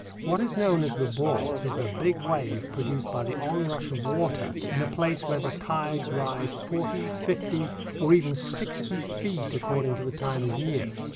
What is known as the "bore" is the big wave produced by the onrush of water in a place where the tides rise forty, fifty, or even sixty feet, according to the time of year.